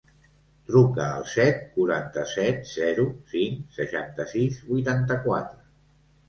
Truca al set, quaranta-set, zero, cinc, seixanta-sis, vuitanta-quatre.